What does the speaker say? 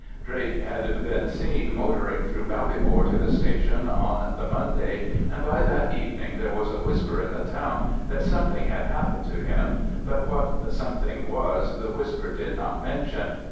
Drake had been seen motoring through Ballybor to the station on the Monday, and by that evening there was a whisper in the town that something had happened to him, but what the something was the whisper did not mention.